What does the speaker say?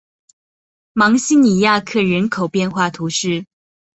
芒西尼亚克人口变化图示